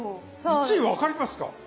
１位分かりますか？